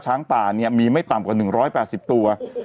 ช้างป่าเนี่ยมีไม่ต่ำกว่า๑๘๐ตัว